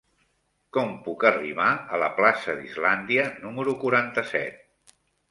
Com puc arribar a la plaça d'Islàndia número quaranta-set?